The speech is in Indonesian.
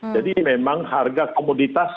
jadi memang harga komoditas